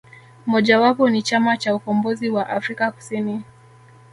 Moja wapo ni Chama cha ukombozi wa afrika Kusini